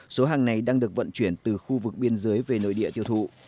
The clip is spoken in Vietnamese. số hàng này đang được vận chuyển từ khu vực biên giới về nội địa tiêu thụ